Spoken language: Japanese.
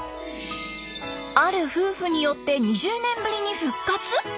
ある夫婦によって２０年ぶりに復活？